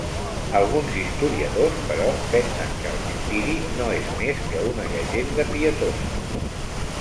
Alguns historiadors, però, pensen que el martiri no és més que una llegenda pietosa.